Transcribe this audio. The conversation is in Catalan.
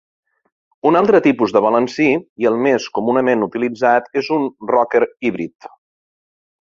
Un altre tipus de balancí i el més comunament utilitzat és un rocker híbrid.